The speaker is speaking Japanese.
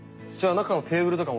中のテーブルも。